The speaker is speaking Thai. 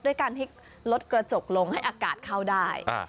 ด้วยการที่ลดกระจกลงให้อากาศเข้าได้